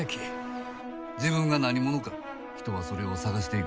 自分が何者か人はそれを探していく。